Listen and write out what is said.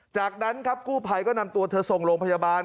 จากนั้นครับกู้ภัยก็นำตัวเธอส่งโรงพยาบาล